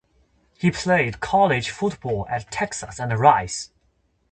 He played college football at Texas and Rice.